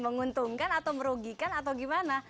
menguntungkan atau merugikan atau gimana